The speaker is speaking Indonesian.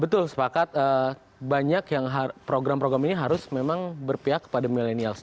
betul sepakat banyak yang program program ini harus memang berpihak kepada milenial